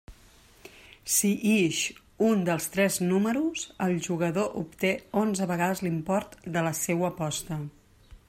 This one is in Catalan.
Si ix un dels tres números, el jugador obté onze vegades l'import de la seua aposta.